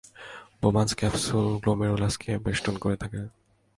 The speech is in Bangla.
বোমান্স ক্যাপসুল গ্লোমেরুলাসকে বেস্টন করে থাকে।